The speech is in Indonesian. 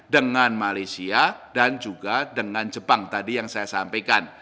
dengan malaysia dan juga dengan jepang tadi yang saya sampaikan